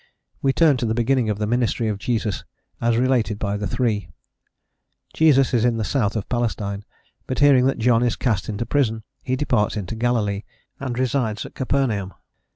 We turn to the beginning of the ministry of Jesus as related by the three. Jesus is in the south of Palestine, but, hearing that John is cast into prison, he departs into Galilee, and resides at Capernaum.